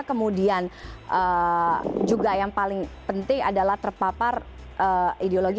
kemudian juga yang paling penting adalah terpapar ideologi